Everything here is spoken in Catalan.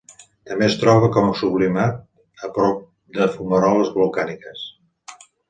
També es troba com a sublimat a prop de fumaroles volcàniques.